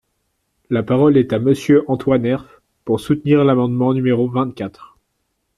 La parole est à Monsieur Antoine Herth, pour soutenir l’amendement numéro vingt-quatre.